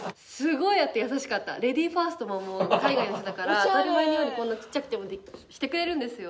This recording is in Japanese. レディーファーストも海外の人だから当たり前のようにこんなちっちゃくてもしてくれるんですよ。